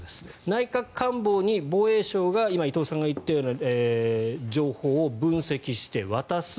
内閣官房に防衛省が今、伊藤さんが言ったような情報を分析して渡す。